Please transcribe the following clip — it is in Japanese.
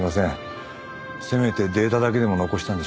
せめてデータだけでも残したんでしょう。